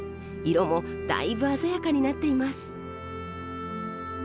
色もだいぶ鮮やかになっています。